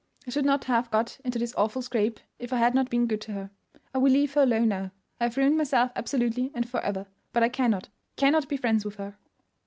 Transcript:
"I should not have got into this awful scrape if I had not been good to her. I will leave her alone now. I have ruined myself absolutely and for ever; but I cannot—cannot be friends with her."